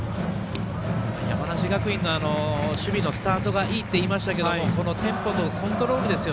山梨学院の守備のスタートがいいって言いましたけどこのテンポとコントロールです。